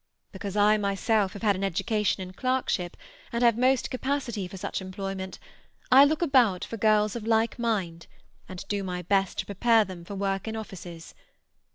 Because I myself have had an education in clerkship, and have most capacity for such employment, I look about for girls of like mind, and do my best to prepare them for work in offices.